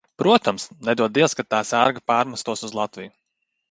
Protams, nedod Dievs, ka tā sērga pārmestos uz Latviju!